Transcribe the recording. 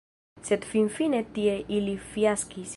Sed finfine tie ili fiaskis.